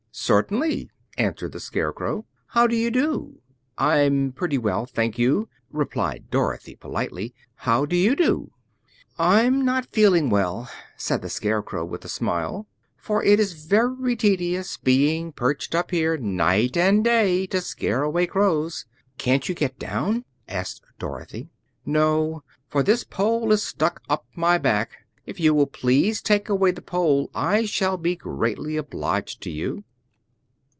"Certainly," answered the Scarecrow. "How do you do?" "I'm pretty well, thank you," replied Dorothy politely. "How do you do?" "I'm not feeling well," said the Scarecrow, with a smile, "for it is very tedious being perched up here night and day to scare away crows." "Can't you get down?" asked Dorothy. "No, for this pole is stuck up my back. If you will please take away the pole I shall be greatly obliged to you."